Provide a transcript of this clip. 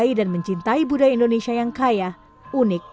keberadaan mereka menjadi teguran bagi para anggota karawitan